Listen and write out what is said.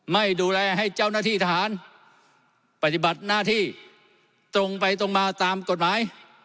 ไม่ดูแลให้เจ้าหน้าที่ทหารปฏิบัติหน้าที่ตรงไปตรงมาตามกฎหมาย